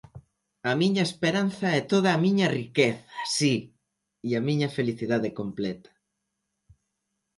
A miña esperanza e toda a miña riqueza, si!, e a miña felicidade completa.